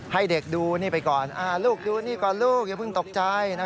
ให้เด็กดูนี่ไปก่อนลูกดูนี่ก่อนลูกอย่าเพิ่งตกใจ